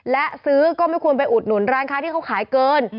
และซื้อก็ไม่ควรไปอุดหนุนร้านค้าที่เขาขายเกิน